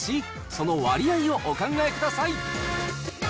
その割合をお考えください。